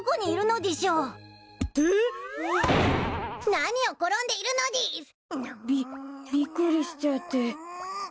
何を転んでいるのでぃす！びびっくりしちゃって。